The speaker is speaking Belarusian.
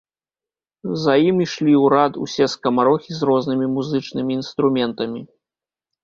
За ім ішлі ў рад усе скамарохі з рознымі музычнымі інструментамі.